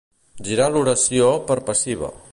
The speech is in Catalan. Girar l'oració per passiva.